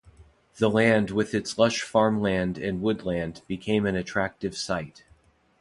The land with its lush farmland and woodland became an attractive site.